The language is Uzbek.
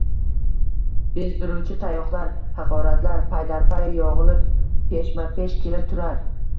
Bezdiruvchi tayoqlar, haqoratlar paydarpay yog'ilib, peshma-pesh kelib turar.